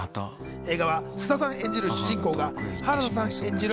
映画は菅田さん演じる主人公が原田さん演じる